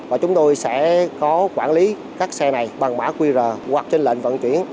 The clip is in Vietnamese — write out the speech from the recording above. và chúng tôi sẽ có quản lý các xe này bằng mã qr hoặc trên lệnh vận chuyển